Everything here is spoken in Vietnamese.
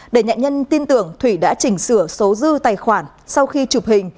để nhận nhân tin tưởng thủy đã chỉnh sửa số dư tài khoản sau khi chụp hình